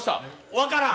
分からん！